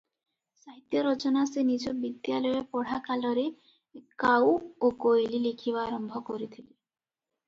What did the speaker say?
"ସାହିତ୍ୟ ରଚନା ସେ ନିଜ ବିଦ୍ୟାଳୟ ପଢ଼ା କାଳରେ "କାଉ ଓ କୋଇଲି" ଲେଖିବା ଆରମ୍ଭ କରିଥିଲେ ।"